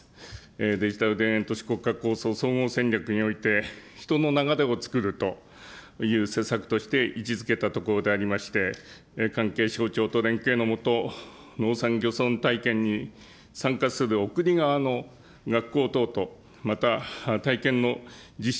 デジタル田園都市国家構想総合戦略において、人の流れを作るという施策として位置づけたところでありまして、関係省庁と連携の下、農山漁村体験に参加する送り側の学校等と、また、体験の実施